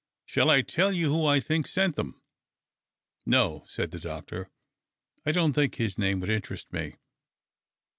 Shall I tell you who I think sent them ?"" No," said the doctor, " I don't think his name would interest me.